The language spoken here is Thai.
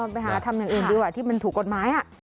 ไปหาทำอย่างอื่นดีกว่าที่มันถูกกฎหมาย